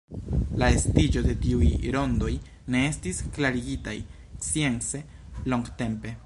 La estiĝo de tiuj rondoj ne estis klarigitaj science longtempe.